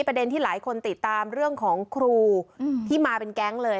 ประเด็นที่หลายคนติดตามเรื่องของครูที่มาเป็นแก๊งเลย